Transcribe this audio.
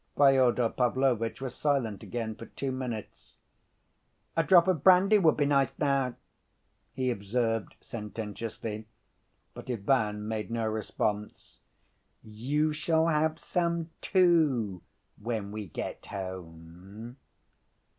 Fyodor Pavlovitch was silent again for two minutes. "A drop of brandy would be nice now," he observed sententiously, but Ivan made no response. "You shall have some, too, when we get home."